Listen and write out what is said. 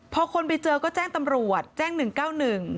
พอคนไปเจอก็แจ้งตำรวจแจ้ง๑๙๑